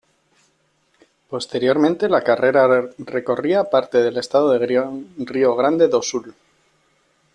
Posteriormente la carrera recorría parte del estado de Río Grande do Sul.